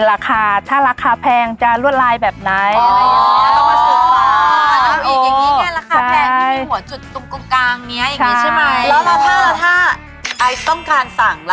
ต้องการให้มันเป็นตัวใหญ่กว่านี้วะ